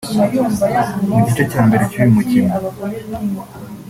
Mu gice cya mbere cy’uyu mukino